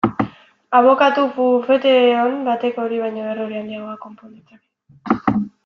Abokatu bufete on batek hori baino errore handiagoak konpon ditzake.